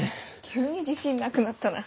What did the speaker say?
急に自信なくなったな。